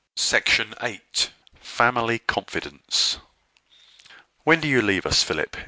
CHAPTER SEVEN. FAMILY CONFIDENCE. "When do you leave us, Philip?"